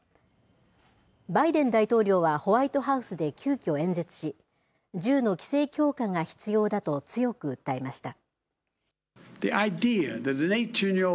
バイデン大統領はホワイトハウスで急きょ演説し、銃の規制強化が必要だと強く訴えました。